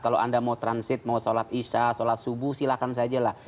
kalau anda mau transit mau sholat isya sholat subuh silahkan saja lah